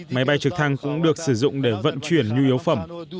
máy bay trực thăng cũng được sử dụng để vận chuyển nhu yếu phẩm